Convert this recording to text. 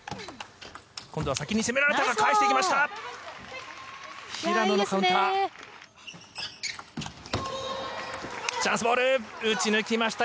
今度は先に攻められたが返していきました！